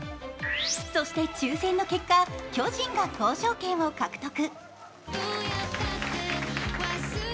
そして抽選の結果、巨人が交渉権を獲得。